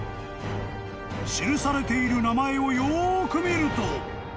［記されている名前をよく見ると］